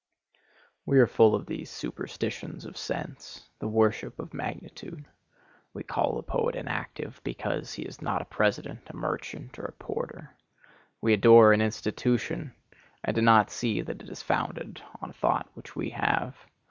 We are full of these superstitions of sense, the worship of magnitude. We call the poet inactive, because he is not a president, a merchant, or a porter. We adore an institution, and do not see that it is founded on a thought which we have.